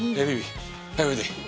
はいおいで。